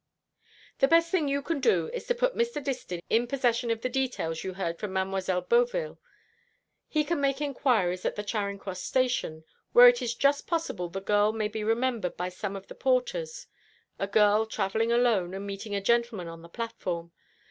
"The best thing you can do is to put Mr. Distin in possession of the details you heard from Mademoiselle Beauville. He can make inquiries at the Charing Cross Station, where it is just possible the girl may be remembered by some of the porters. A girl travelling alone, and meeting a gentleman on the platform.